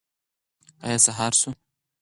ایا سهار شو؟